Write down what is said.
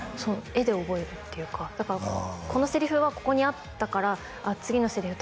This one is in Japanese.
画で覚えるっていうかだからこのセリフはここにあったから次のセリフ